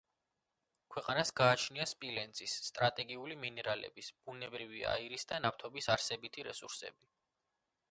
ქვეყანას გააჩნია სპილენძის, სტრატეგიული მინერალების, ბუნებრივი აირის და ნავთობის არსებითი რესურსები.